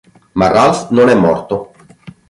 Ma Ralph non è morto.